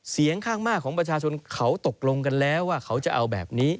เสียงข้างมากของประชาชนเขาตกลงกันแล้วว่าเขาจะเอาแบบนี้